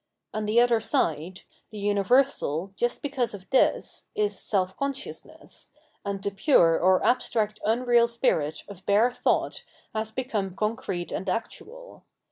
On the other side, the universal, just because of this, is self consciousness, and the pure or abstract unreal Spirit of bare thought has become concrete and actual.